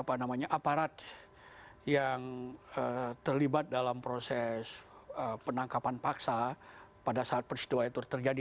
apa namanya aparat yang terlibat dalam proses penangkapan paksa pada saat peristiwa itu terjadi